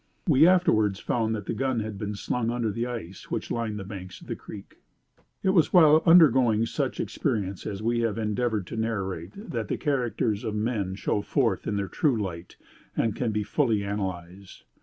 We afterwards found that the gun had been slung under the ice which lined the banks of the creek." It was while undergoing such experience as we have endeavored to narrate that the characters of men show forth in their true light and can be fully analyzed.